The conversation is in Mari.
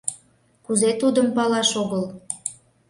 — Кузе тудым палаш огыл.